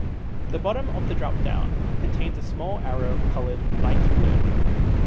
The bottom of the drop-down contains a small arrow, colored light blue.